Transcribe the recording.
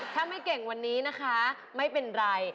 ถ้าไม่เก่งวันนี้นะคะไม่เป็นไร